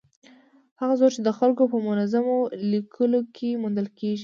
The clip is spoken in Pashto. هغه زور چې د خلکو په منظمو لیکو کې موندل کېږي.